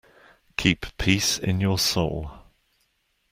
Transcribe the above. Keep peace in your soul.